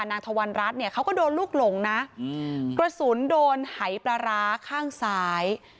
ทวันรัฐเนี่ยเขาก็โดนลูกหลงนะกระสุนโดนหายปลาร้าข้างซ้าย